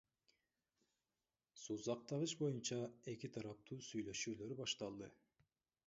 Суу сактагыч боюнча эки тараптуу сүйлөшүүлөр башталды.